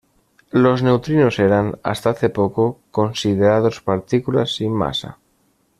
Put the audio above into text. Los neutrinos eran, hasta hace poco, considerados partículas sin masa.